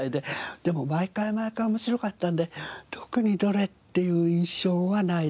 でも毎回毎回面白かったんで特にどれっていう印象はないですね。